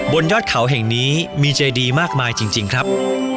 บนยอดเขาแห่งนี้มีเจดีมากมายจริงครับ